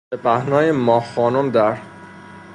به پهنای ماه خانم در!